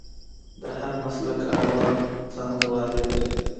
د هر مسلک اړوند څانګوال یې لري.